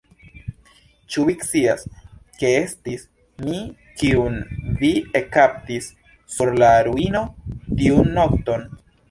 Ĉu vi scias, ke estis mi, kiun vi ekkaptis sur la ruino tiun nokton?